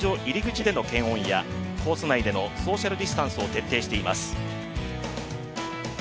入り口での検温やコース内でのソーシャルディスタンスを徹底しています。